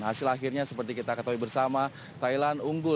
dan hasil akhirnya seperti kita ketahui bersama thailand unggul